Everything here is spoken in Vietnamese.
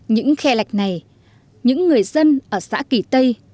những khe lạch này những người dân ở xã kỳ tây